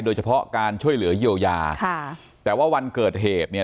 โดยเฉพาะการช่วยเหลือเยียวยาค่ะแต่ว่าวันเกิดเหตุเนี่ย